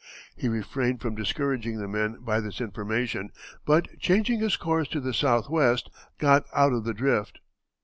He refrained from discouraging the men by this information, but changing his course to the southwest, got out of the drift.